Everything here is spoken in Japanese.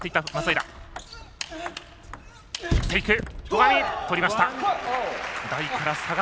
戸上、取りました。